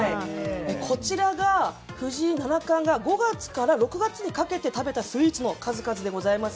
こちらが藤井七冠が５月から６月にかけて食べたスイーツの数々でございます。